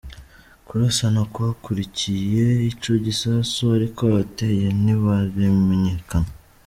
Kurasana kwakurikiye ico gisasu, ariko abateye ntibaramenyekana.